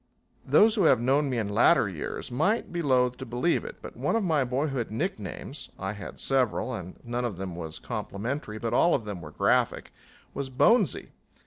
Those who have known me in my latter years might be loath to believe it, but one of my boyhood nick names I had several, and none of them was complimentary but all of them were graphic was Bonesy.